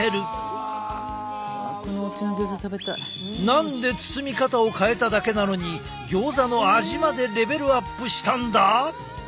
何で包み方を変えただけなのにギョーザの味までレベルアップしたんだ！？